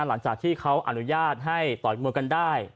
หลังจากที่เขาอนุญาตให้ต่อยมวยกันได้